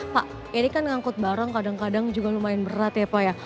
pak ini kan ngangkut barang kadang kadang juga lumayan berat ya pak ya